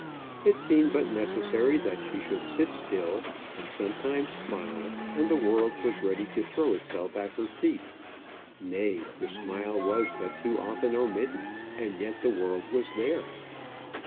It seemed but necessary that she should sit still, and sometimes smile, and the world was ready to throw itself at her feet. Nay, the smile was but too often omitted, and yet the world was there.